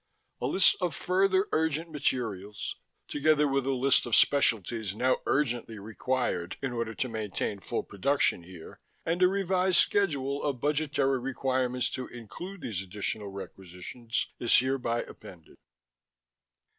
... A list of further urgent materials, together with a list of specialties now urgently required in order to maintain full production here, and a revised schedule of budgetary requirements to include these additional requisitions, is hereby appended....